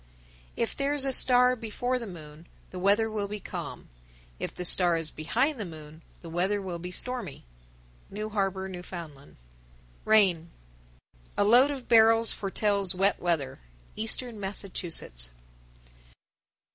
If there is a star before the moon, the weather will be calm; if the star is behind the moon, the weather will be stormy. New Harbor, N.F. RAIN. 1003. A load of barrels foretells wet weather. _Eastern Massachusetts.